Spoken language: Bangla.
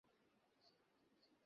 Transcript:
পুরো বাড়ী খুঁজেছো?